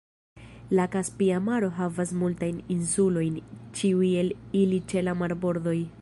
La Kaspia Maro havas multajn insulojn, ĉiuj el ili ĉe la marbordoj.